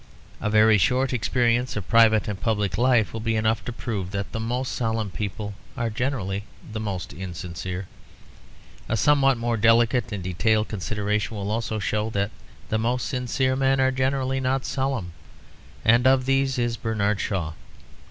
A very short experience of private and public life will be enough to prove that the most solemn people are generally the most insincere. A somewhat more delicate and detailed consideration will show also that the most sincere men are generally not solemn; and of these is Bernard Shaw.